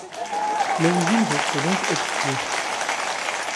L'origine reste donc obscure.